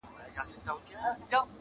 ما لیدلې د وزیرو په مورچو کي؛